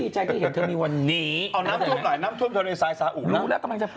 ใช่ค่ะ